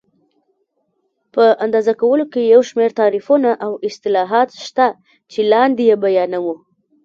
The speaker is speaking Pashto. په اندازه کولو کې یو شمېر تعریفونه او اصلاحات شته چې لاندې یې بیانوو.